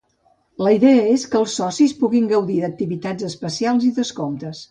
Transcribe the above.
La idea és que els socis puguin gaudir d’activitats especials i descomptes.